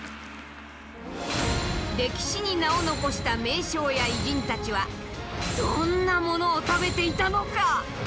歴史に名を残した名将や偉人たちはどんなものを食べていたのか。